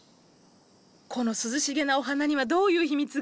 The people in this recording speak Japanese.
この涼しげなお花にはどういう秘密が？